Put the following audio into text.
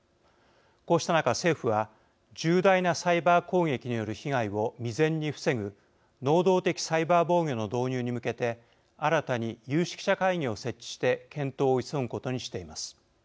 こうした中、政府は重大なサイバー攻撃による被害を未然に防ぐ能動的サイバー防御の導入に向けて新たに有識者会議を設置して検討を急ぐことにしています。